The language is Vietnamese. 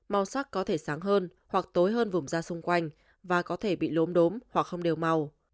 màu sắc có thể sáng hơn hoặc tối hơn vùng ra xung quanh và có thể bị lốm đốm hoặc không đều màu